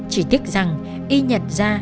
chỉ tiếc rằng y nhật ra